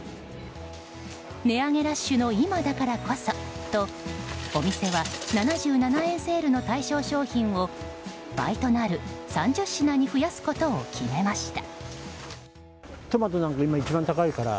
値上げラッシュの今だからこそとお店は７７円セールの対象商品を倍となる、３０品に増やすことを決めました。